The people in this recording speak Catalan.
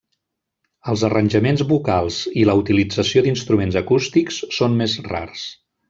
Els arranjaments vocals i la utilització d'instruments acústics són més rars.